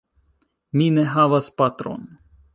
Mi ne havas patron.